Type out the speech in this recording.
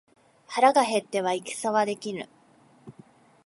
腹が減っては戦はできぬ